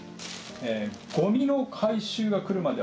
「ごみの回収が来るまでは」